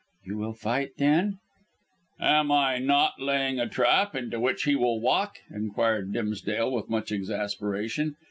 "You will fight, then?" "Am I not laying a trap into which he will walk?" inquired Dimsdale with much exasperation.